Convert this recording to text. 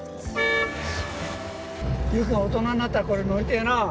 ゆう君は大人になったらこれ乗りてえなあ。